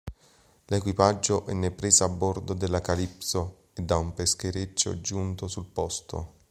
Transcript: L'equipaggio venne preso a bordo dalla "Calipso" e da un peschereccio giunto sul posto.